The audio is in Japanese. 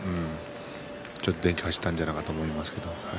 ちょっと電気が走ったんじゃないかなと思いますけど。